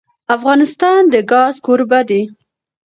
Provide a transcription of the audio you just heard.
افغانستان د ګاز کوربه دی.